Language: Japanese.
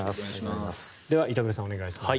では板倉さん、お願いします。